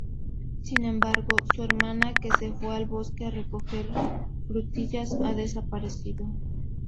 Sin embargo, su hermana, que se fue al bosque a recoger frutillas, ha desaparecido.